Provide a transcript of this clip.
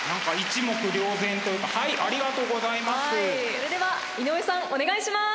それでは井上さんお願いします。